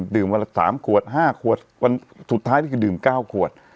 วันละ๓ขวด๕ขวดวันสุดท้ายนี่คือดื่ม๙ขวด